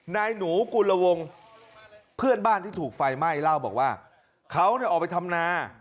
นายหนูกุลวงเพื่อนบ้านที่ถูกไฟไหม้เล่าบอกว่าเขาเนี่ยออกไปทำนา